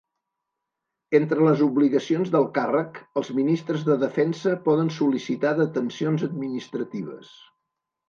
Entre les obligacions del càrrec, els Ministres de Defensa poden sol·licitar detencions administratives.